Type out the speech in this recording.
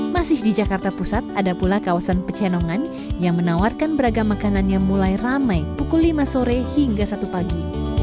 masih di jakarta pusat ada pula kawasan pecenongan yang menawarkan beragam makanan yang mulai ramai pukul lima sore hingga satu pagi